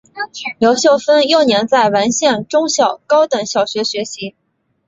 刘秀峰幼年在完县中心高等小学学习。